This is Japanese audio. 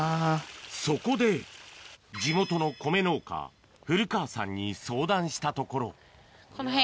そこで地元の米農家古川さんに相談したところ